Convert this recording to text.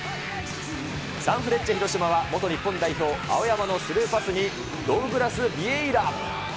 サンフレッチェ広島は、元日本代表、青山のスルーパスにドウグラス・ヴィエイラ。